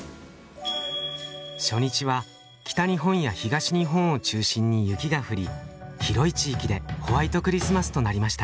初日は北日本や東日本を中心に雪が降り広い地域でホワイトクリスマスとなりました。